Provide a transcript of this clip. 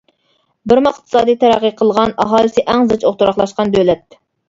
بىرما ئىقتىسادى تەرەققىي قىلغان، ئاھالىسى ئەڭ زىچ ئولتۇراقلاشقان دۆلەت.